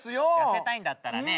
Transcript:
痩せたいんだったらね